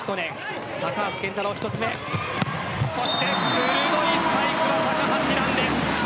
鋭いスパイクだ、高橋藍です。